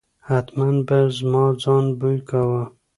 حتمآ به زما ځان بوی کاوه.